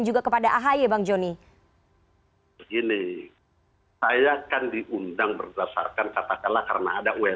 oke bang joni kenapa kemudian baru sekarang melontongnya